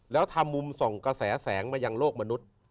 แล้วทำมุมส่องกระแสแสงมายังโลกมนุษย์